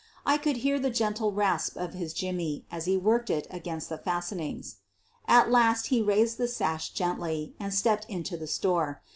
I could hear the gentle rasp of his jimmy as it worked against the fastenings. At last he raised the sash gently and stepped into the store.